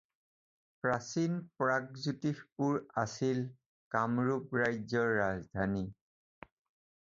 প্ৰাচীন প্ৰাগজ্যোতিষপুৰ আছিল কামৰূপ ৰাজ্যৰ ৰাজধানী।